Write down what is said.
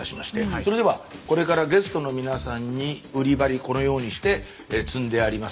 それではこれからゲストの皆さんに売り場にこのようにして積んであります